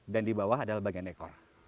dan di bawah adalah bagian ekor